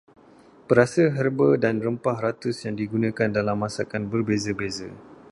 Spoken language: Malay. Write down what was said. Perasa, herba dan rempah ratus yang digunakan dalam masakan berbeza-beza.